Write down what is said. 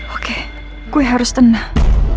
oke gue harus tenang